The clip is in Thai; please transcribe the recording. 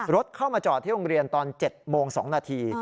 รถเข้ามาจอดที่โรงเรียนตอน๗โมง๒นาที